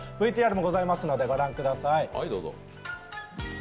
ＶＴＲもありますので御覧ください。